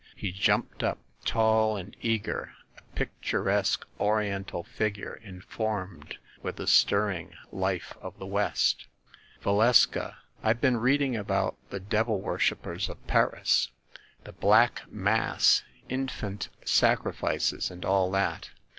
He jumped up, tall and eager, a pictur esque oriental figure informed with the stirring life of the West. THE ASSASSINS' CLUB 249 "Valeska, I've been reading about the Devil wor shipers of Paris, ‚ÄĒ the black mass, infant sacrifices, and all that.